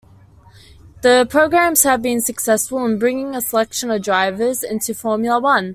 The programs have been successful in bringing a selection of drivers into Formula One.